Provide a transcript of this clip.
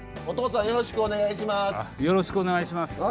お父さんよろしくお願いします。